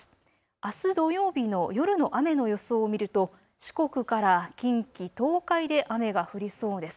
あす土曜日の夜の雨の予想を見ると、四国から近畿、東海で雨が降りそうです。